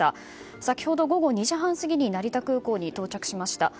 先ほど午後２時半過ぎに成田空港に到着しました。